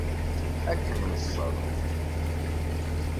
Ad kem-neṣṣer.